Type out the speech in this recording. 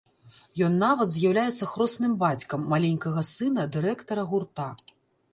Ён нават з'яўляецца хросным бацькам маленькага сына дырэктара гурта.